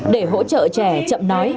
để hỗ trợ trẻ chậm nói